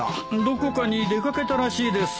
どこかに出掛けたらしいです。